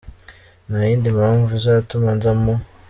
Nta yindi mpamvu izatuma nza mu